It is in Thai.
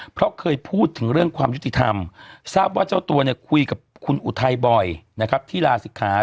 เพราะเคยพูดถึงเรื่องความยุติธรรมทราบว่าเจ้าตัวเนี่ยคุยกับคุณอุทัยบ่อยนะครับที่ลาศิกขา